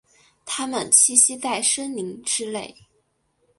它们栖息在森林之内。